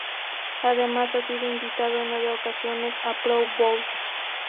Además ha sido invitado en nueve ocasiones a Pro Bowls.